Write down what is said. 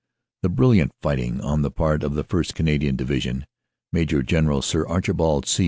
The brilliant fighting on the part of the 1st. Canadian Division, Maj. General Sir Archibald C.